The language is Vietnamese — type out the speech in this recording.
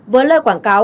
với lời quảng cáo